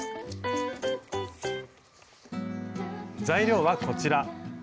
材料はこちら。